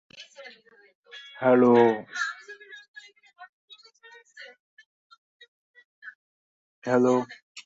এটি পরবর্তীকালে register office হিসেবে ব্যবহৃত হয়েছিল।